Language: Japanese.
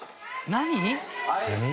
何？